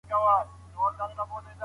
هوایي امبولانسونه کله کارول کیږي؟